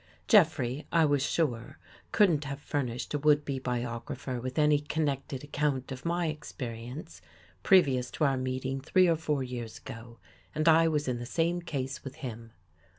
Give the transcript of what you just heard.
Jeffrey, I was sure, couldn't have furnished a would be biographer with any con nected account of my experience previous to our meeting three or four years ago, and I was in the same case with him.